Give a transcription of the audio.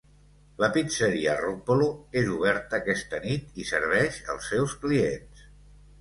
La pizzeria Roppolo és oberta aquesta nit i serveix els seus clients